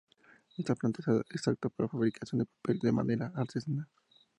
Esta planta es apta para la fabricación de papel de manera artesanal.